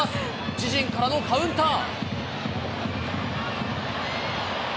自陣からのカウンター。